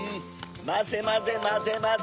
まぜまぜまぜまぜ